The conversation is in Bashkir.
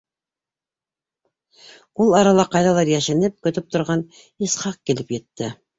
Ул арала ҡайҙалыр йәшенеп көтөп торған Исхаҡ килеп етте.